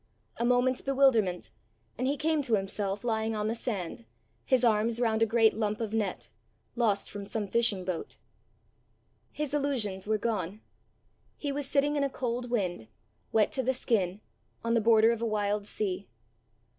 A moment's bewilderment, and he came to himself lying on the sand, his arms round a great lump of net, lost from some fishing boat. His illusions were gone. He was sitting in a cold wind, wet to the skin, on the border of a wild sea.